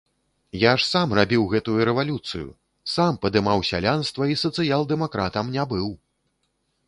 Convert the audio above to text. Я ж сам рабіў гэтую рэвалюцыю, сам падымаў сялянства і сацыял-дэмакратам не быў!